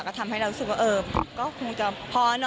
ก็ทำให้เรารู้สึกว่าเออก็คงจะพอนะ